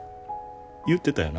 言ってたよな。